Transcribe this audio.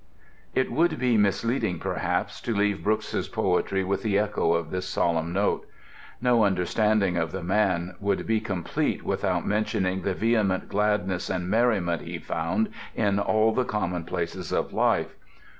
It would be misleading, perhaps, to leave Brooke's poetry with the echo of this solemn note. No understanding of the man would be complete without mentioning the vehement gladness and merriment he found in all the commonplaces of life.